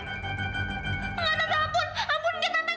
enggak tante ampun